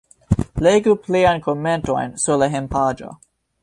Legu pliajn komentojn sur la hejmpaĝo.